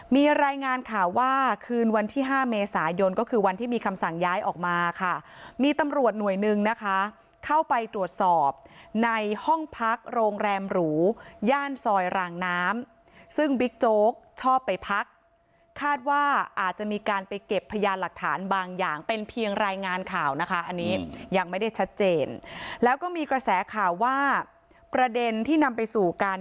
มีรายงานข่าวว่าคืนวันที่๕เมษายนก็คือวันที่มีคำสั่งย้ายออกมาค่ะมีตำรวจหน่วยหนึ่งนะคะเข้าไปตรวจสอบในห้องพักโรงแรมหรูย่านซอยรางน้ำซึ่งบิ๊กโจ๊กชอบไปพักคาดว่าอาจจะมีการไปเก็บพยานหลักฐานบางอย่างเป็นเพียงรายงานข่าวนะคะอันนี้ยังไม่ได้ชัดเจนแล้วก็มีกระแสข่าวว่าประเด็นที่นำไปสู่การ